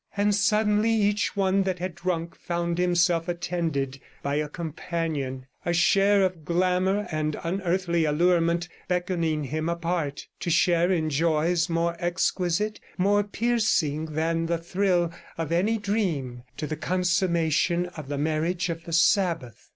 And suddenly, each one that had drunk found himself attended by a companion, a share of glamour and unearthly allurement, beckoning him apart, to share in joys more exquisite, more piercing than the thrill of any dream, to the consummation of the marriage of the Sabbath.